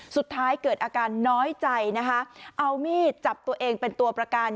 สุดท้ายเกิดอาการน้อยใจนะคะเอามีดจับตัวเองเป็นตัวประกัน